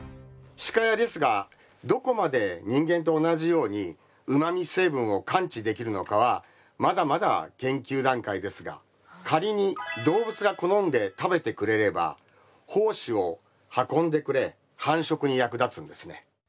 シカやリスがどこまで人間と同じようにうまみ成分を感知できるのかはまだまだ研究段階ですが仮に動物が好んで食べてくれれば胞子を運んでくれ繁殖に役立つんですね。